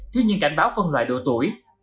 thiếu những cảnh báo phân loại độ tuổi